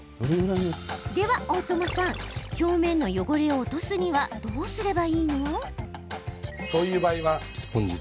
では大友さん表面の汚れを落とすにはどうすればいいの？